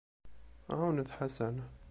Ɛawnet Ḥasan.